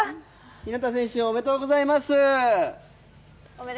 日當選手、おめでとうございます。